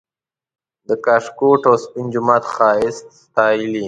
د کاشکوټ او سپین جومات ښایست ستایلی